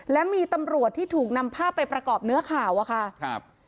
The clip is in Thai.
และมีตำรวจที่ถูกนำภาพไปประกอบเนื้อข่าวอะค่ะครับ